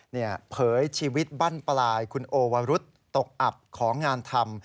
เนี่ยเผยชีวิตบ้านปลายคุณโอวรุธตกอับของงานธรรม